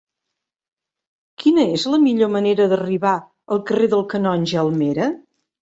Quina és la millor manera d'arribar al carrer del Canonge Almera?